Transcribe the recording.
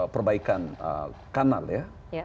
perbaikan kanal ya